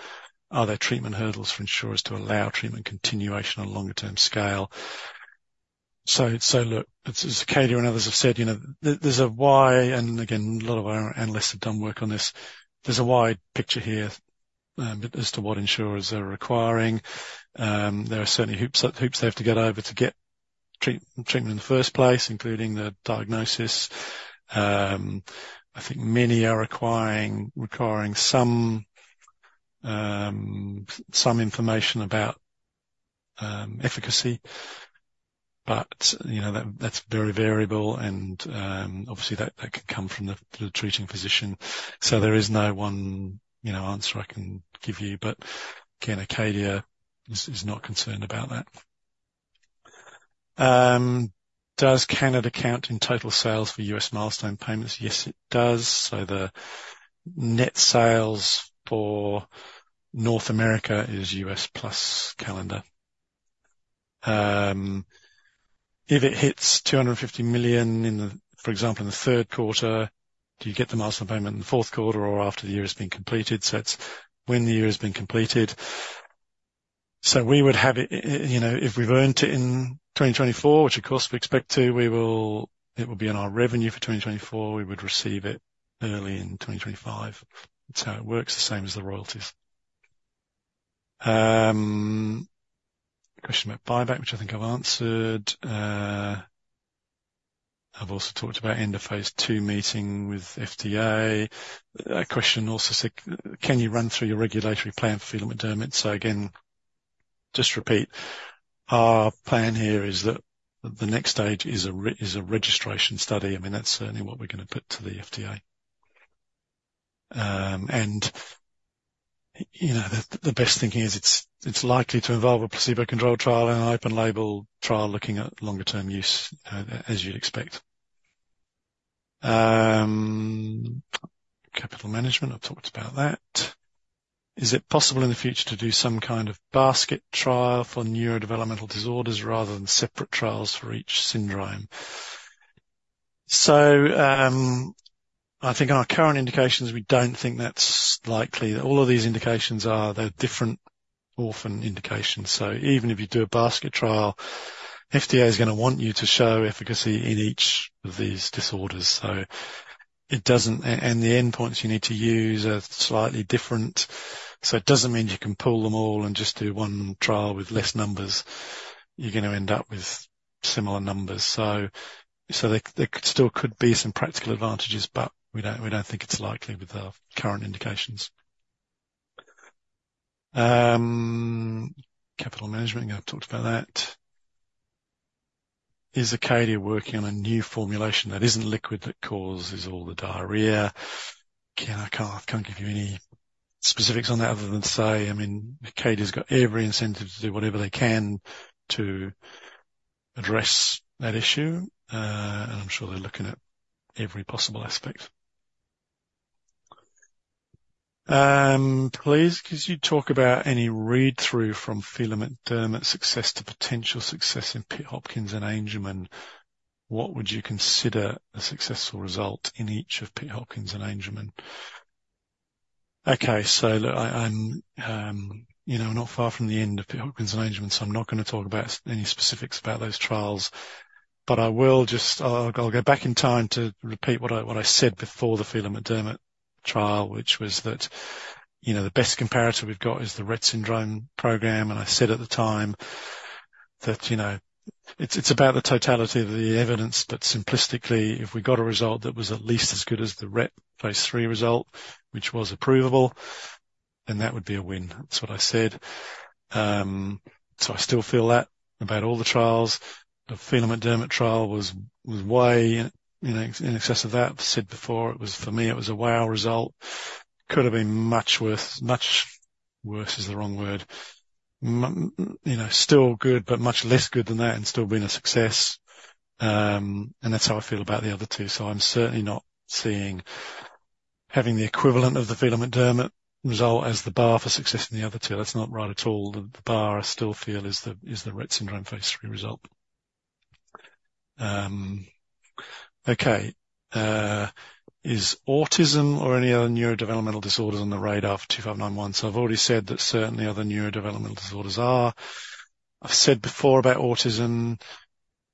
Are there treatment hurdles for insurers to allow treatment continuation on a longer-term scale? So look, as Acadia and others have said, there's a why. And again, a lot of our analysts have done work on this. There's a wide picture here as to what insurers are requiring. There are certainly hoops they have to get over to get treatment in the first place, including the diagnosis. I think many are requiring some information about efficacy. But that's very variable. And obviously, that can come from the treating physician. So there is no one answer I can give you. But again, Acadia is not concerned about that. Does Canada count in total sales for U.S. milestone payments? Yes, it does. So the net sales for North America is U.S. plus Canada. If it hits $250 million, for example, in the third quarter, do you get the milestone payment in the fourth quarter or after the year has been completed? So it's when the year has been completed. So we would have it if we've earned it in 2024, which, of course, we expect to, it will be in our revenue for 2024. We would receive it early in 2025. So it works the same as the royalties. Question about buyback, which I think I've answered. I've also talked about end-of-phase II meeting with FDA. Question also, can you run through your regulatory plan for Phelan-McDermid? So again, just repeat, our plan here is that the next stage is a registration study. I mean, that's certainly what we're going to put to the FDA. The best thinking is it's likely to involve a placebo-controlled trial and an open-label trial looking at longer-term use, as you'd expect. Capital management, I've talked about that. Is it possible in the future to do some kind of basket trial for neurodevelopmental disorders rather than separate trials for each syndrome? So I think on our current indications, we don't think that's likely. All of these indications are, they're different orphan indications. So even if you do a basket trial, FDA is going to want you to show efficacy in each of these disorders. And the endpoints you need to use are slightly different. So it doesn't mean you can pull them all and just do one trial with less numbers. You're going to end up with similar numbers. So there still could be some practical advantages. But we don't think it's likely with our current indications. Capital management, I think I've talked about that. Is Acadia working on a new formulation that isn't liquid that causes all the diarrhea? Again, I can't give you any specifics on that other than say, I mean, Acadia's got every incentive to do whatever they can to address that issue. I'm sure they're looking at every possible aspect. Please could you talk about any read-through from Phelan-McDermid success to potential success in Pitt Hopkins and Angelman? What would you consider a successful result in each of Pitt Hopkins and Angelman? Okay. Look, I'm not far from the end of Pitt Hopkins and Angelman. I'm not going to talk about any specifics about those trials. I'll go back in time to repeat what I said before the Phelan-McDermid trial, which was that the best comparator we've got is the Rett syndrome program. I said at the time that it's about the totality of the evidence. But simplistically, if we got a result that was at least as good as the Rett phase III result, which was approvable, then that would be a win. That's what I said. So I still feel that about all the trials. The Phelan-McDermid trial was way in excess of that. Said before, for me, it was a wow result. Could have been much worse, much worse is the wrong word, still good, but much less good than that and still been a success. And that's how I feel about the other two. So I'm certainly not seeing having the equivalent of the Phelan-McDermid result as the bar for success in the other two. That's not right at all. The bar, I still feel, is the Rett syndrome phase III result. Okay. Is autism or any other neurodevelopmental disorders on the radar for 2591? So I've already said that certainly other neurodevelopmental disorders are. I've said before about autism,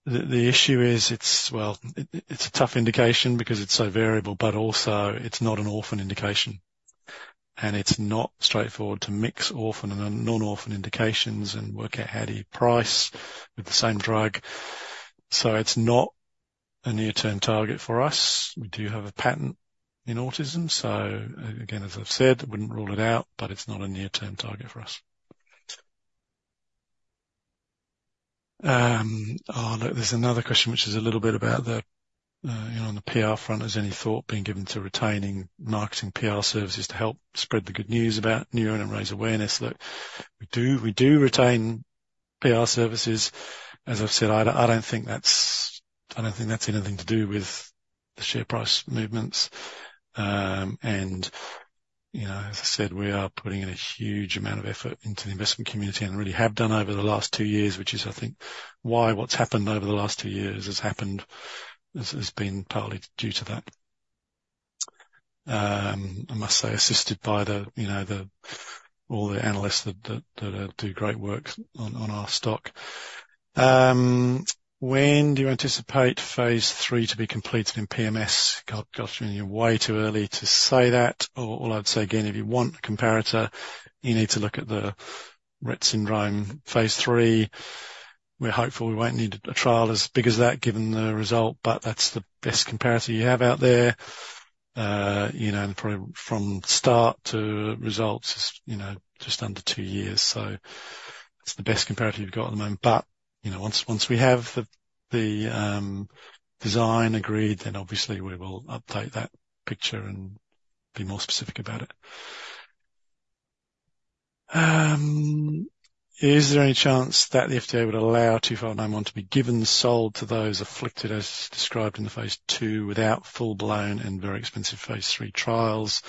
the issue is, well, it's a tough indication because it's so variable. But also, it's not an orphan indication. And it's not straightforward to mix orphan and non-orphan indications and work out how do you price with the same drug. So it's not a near-term target for us. We do have a patent in autism. So again, as I've said, wouldn't rule it out. But it's not a near-term target for us. Look, there's another question, which is a little bit about the on the PR front, is any thought being given to retaining marketing PR services to help spread the good news about Neuren and raise awareness? Look, we do retain PR services. As I've said, I don't think that's anything to do with the share price movements. And as I said, we are putting in a huge amount of effort into the investment community and really have done over the last two years, which is, I think, why what's happened over the last two years has been partly due to that. I must say, assisted by all the analysts that do great work on our stock. When do you anticipate phase III to be completed in PMS? God, you're way too early to say that. Or I'd say, again, if you want a comparator, you need to look at the Rett syndrome phase III. We're hopeful we won't need a trial as big as that given the result. But that's the best comparator you have out there. And probably from start to results is just under two years. So it's the best comparator you've got at the moment. But once we have the design agreed, then obviously, we will update that picture and be more specific about it. Is there any chance that the FDA would allow 2591 to be given and sold to those afflicted, as described in the phase II, without full-blown and very expensive phase III trials?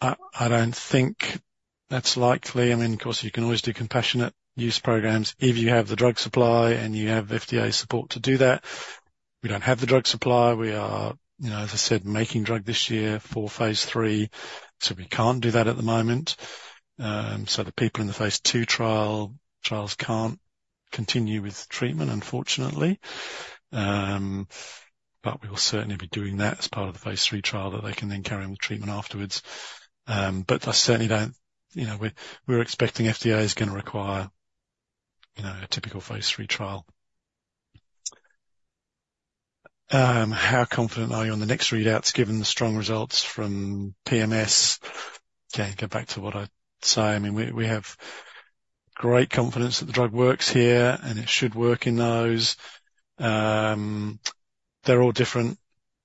I don't think that's likely. I mean, of course, you can always do compassionate use programs if you have the drug supply and you have FDA support to do that. We don't have the drug supply. We are, as I said, making drug this year for phase III. So we can't do that at the moment. So the people in the phase II trials can't continue with treatment, unfortunately. But we will certainly be doing that as part of the phase III trial that they can then carry on with treatment afterwards. But I certainly don't. We're expecting FDA is going to require a typical phase III trial. How confident are you on the next readouts given the strong results from PMS? Again, go back to what I say. I mean, we have great confidence that the drug works here. And it should work in those. They're all different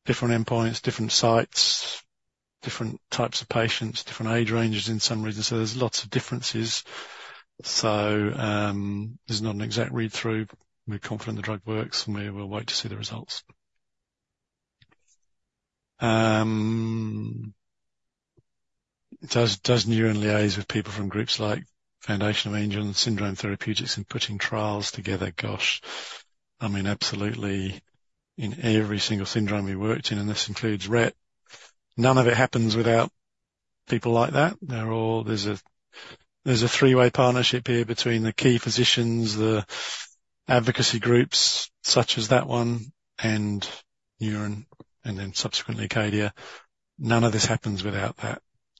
endpoints, different sites, different types of patients, different age ranges for some reason. So there's lots of differences. So there's not an exact read-through. We're confident the drug works. And we will wait to see the results. Does Neuren liaise with people from groups like Foundation for Angelman Syndrome Therapeutics in putting trials together? Gosh. I mean, absolutely. In every single syndrome we worked in - and this includes Rett - none of it happens without people like that. There's a three-way partnership here between the key physicians, the advocacy groups such as that one, and Neuren, and then subsequently Acadia. None of this happens without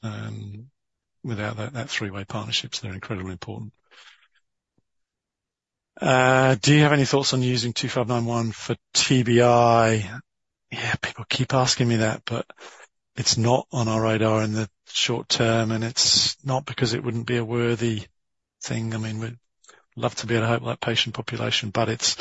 that three-way partnership. So they're incredibly important. Do you have any thoughts on using 2591 for TBI? Yeah, people keep asking me that. But it's not on our radar in the short term. And it's not because it wouldn't be a worthy thing. I mean, we'd love to be able to help that patient population. But it's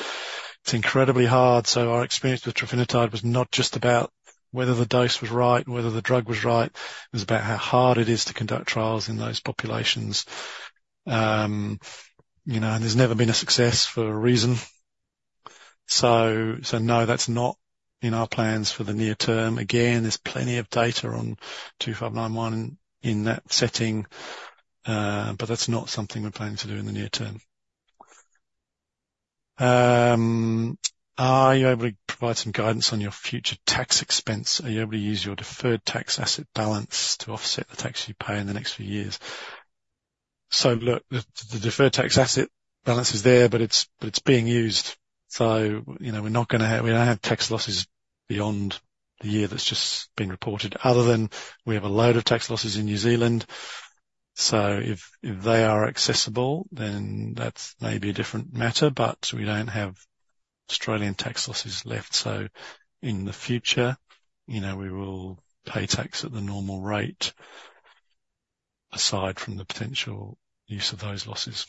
incredibly hard. So our experience with trofinetide was not just about whether the dose was right and whether the drug was right. It was about how hard it is to conduct trials in those populations. And there's never been a success for a reason. So no, that's not in our plans for the near term. Again, there's plenty of data on 2591 in that setting. But that's not something we're planning to do in the near term. Are you able to provide some guidance on your future tax expense? Are you able to use your deferred tax asset balance to offset the tax you pay in the next few years? So look, the deferred tax asset balance is there. But it's being used. So we're not going to have we don't have tax losses beyond the year that's just been reported other than we have a load of tax losses in New Zealand. So if they are accessible, then that's maybe a different matter. But we don't have Australian tax losses left. So in the future, we will pay tax at the normal rate aside from the potential use of those losses.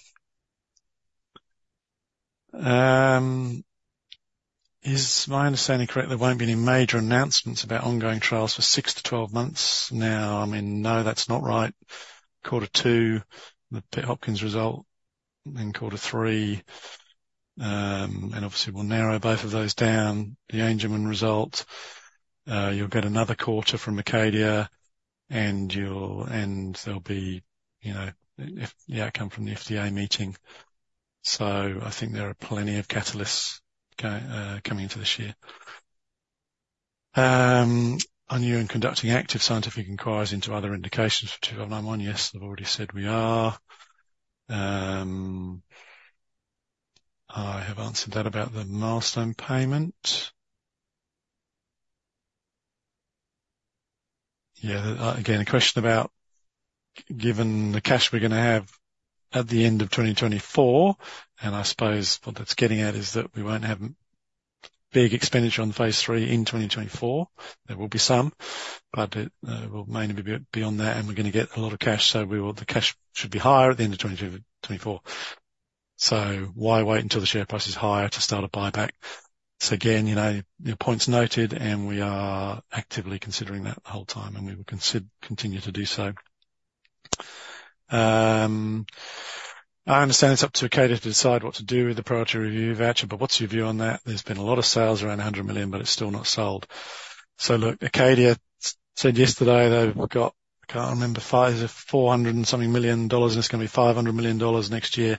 Is my understanding correct? There won't be any major announcements about ongoing trials for six-12 months. Now, I mean, no, that's not right. Quarter two, the Pitt Hopkins result. Then quarter three. And obviously, we'll narrow both of those down. The Angelman result, you'll get another quarter from Acadia. And there'll be the outcome from the FDA meeting. So I think there are plenty of catalysts coming into this year. Are Neuren conducting active scientific inquiries into other indications for 2591? Yes, I've already said we are. I have answered that about the milestone payment. Yeah. Again, a question about given the cash we're going to have at the end of 2024. And I suppose what that's getting at is that we won't have big expenditure on phase III in 2024. There will be some. But it will mainly be beyond that. We're going to get a lot of cash. So the cash should be higher at the end of 2024. Why wait until the share price is higher to start a buyback? Again, your point's noted. We are actively considering that the whole time. We will continue to do so. I understand it's up to Acadia to decide what to do with the priority review voucher. What's your view on that? There's been a lot of sales around $100 million. But it's still not sold. Acadia said yesterday they've got—I can't remember—$400-something million. It's going to be $500 million next year.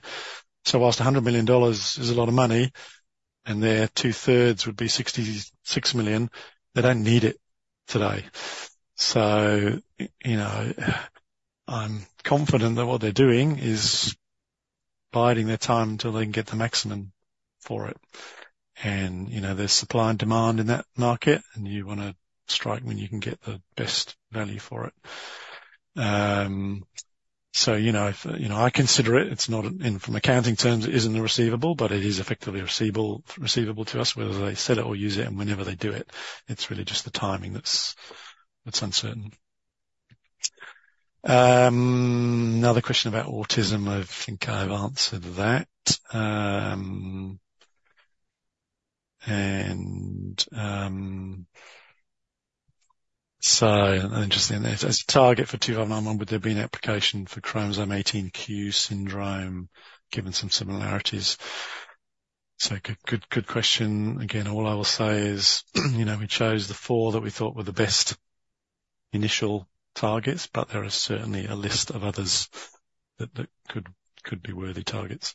Whilst $100 million is a lot of money—and their two-thirds would be $66 million—they don't need it today. I'm confident that what they're doing is biding their time till they can get the maximum for it. There's supply and demand in that market. You want to strike when you can get the best value for it. I consider it. From accounting terms, it isn't a receivable. It is effectively receivable to us whether they sell it or use it. Whenever they do it, it's really just the timing that's uncertain. Another question about autism. I think I've answered that. An interesting thing. As a target for NNZ-2591, would there be an application for chromosome 18q syndrome given some similarities? Good question. Again, all I will say is we chose the four that we thought were the best initial targets. There are certainly a list of others that could be worthy targets.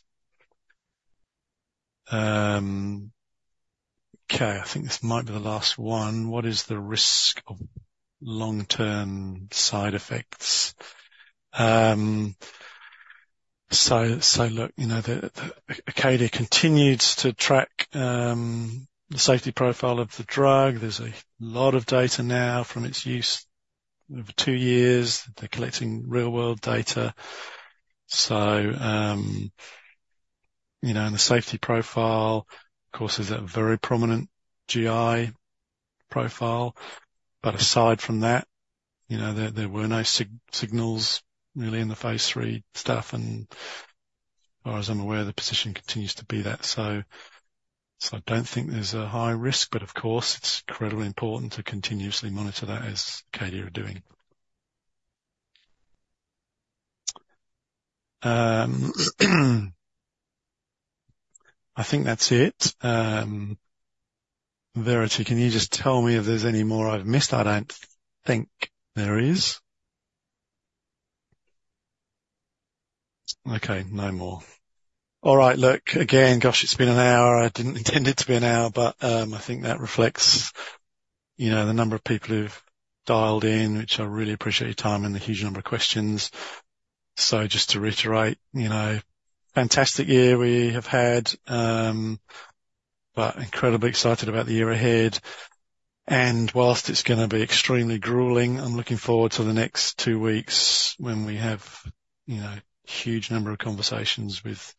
Okay. I think this might be the last one. What is the risk of long-term side effects? So look, Acadia continues to track the safety profile of the drug. There's a lot of data now from its use over two years. They're collecting real-world data. So in the safety profile, of course, there's a very prominent GI profile. But aside from that, there were no signals really in the phase III stuff. And as far as I'm aware, the position continues to be that. So I don't think there's a high risk. But of course, it's incredibly important to continuously monitor that as Acadia are doing. I think that's it. Verity, can you just tell me if there's any more I've missed? I don't think there is. Okay. No more. All right. Look, again, gosh, it's been an hour. I didn't intend it to be an hour. But I think that reflects the number of people who've dialed in, which I really appreciate your time and the huge number of questions. So just to reiterate, fantastic year we have had. But incredibly excited about the year ahead. And whilst it's going to be extremely grueling, I'm looking forward to the next two weeks when we have a huge number of conversations with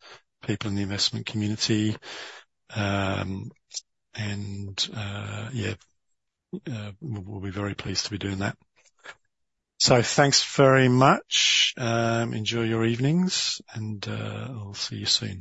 people in the investment community. And yeah, we'll be very pleased to be doing that. So thanks very much. Enjoy your evenings. And I'll see you soon.